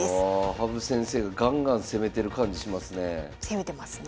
羽生先生がガンガン攻めてる感じしますね。